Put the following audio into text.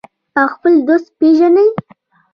او خپل دوست پیژني.